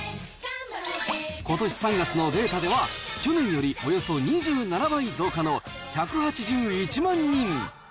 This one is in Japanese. ことし３月のデータでは、去年よりおよそ２７倍増加の１８１万人。